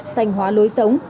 xanh hóa lối sống